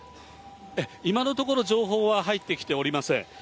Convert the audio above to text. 今のところ、情報は入っておりません。